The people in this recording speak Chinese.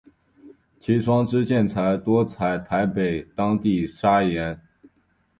其窗之建材多采台北当地砂岩。